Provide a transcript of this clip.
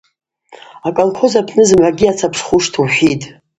Аколхоз апны зымгӏвагьи ацапшхушта ухӏвитӏ.